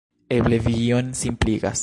Eble vi iom simpligas.